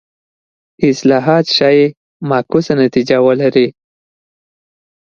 اصلاحات ښايي معکوسه نتیجه ولري.